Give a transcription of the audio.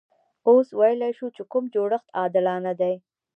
اوس ویلای شو چې کوم جوړښت عادلانه دی.